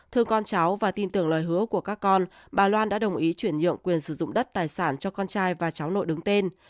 thưa con cháu và tin tưởng lời hứa của các con bà loan đã đồng ý chuyển nhượng quyền sử dụng đất tài sản cho con trai và cháu nội đứng tên